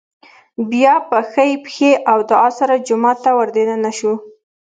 بيا په ښۍ پښې او دعا سره جومات ته ور دننه شو